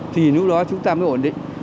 thì lúc đó chúng ta mới ổn định